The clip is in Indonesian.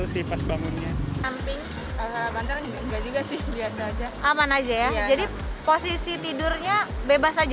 pas kemudian sampai alamantara juga sih biasa aja aman aja ya jadi posisi tidurnya bebas aja